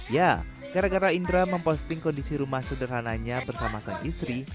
ya gara gara indra memposting kondisi rumah sederhananya bersama sang istri